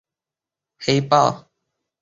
黑暗豹蛛为狼蛛科豹蛛属的动物。